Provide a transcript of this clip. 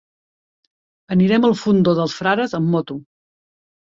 Anirem al Fondó dels Frares amb moto.